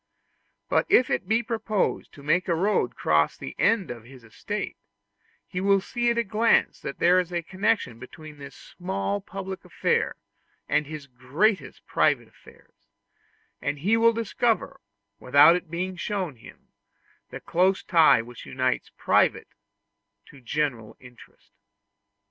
But if it be proposed to make a road cross the end of his estate, he will see at a glance that there is a connection between this small public affair and his greatest private affairs; and he will discover, without its being shown to him, the close tie which unites private to general interest.